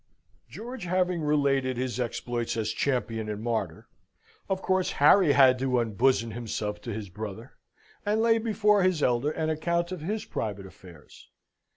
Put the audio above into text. George having related his exploits as champion and martyr, of course Harry had to unbosom himself to his brother, and lay before his elder an account of his private affairs.